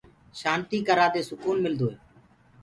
شآنتيٚ ڪررآ دي سڪون ملدوئي